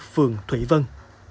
phường thủy vân